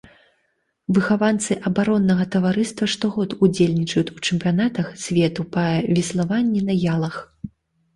Выхаванцы абароннага таварыства штогод удзельнічаюць у чэмпіянатах свету па веславанні на ялах.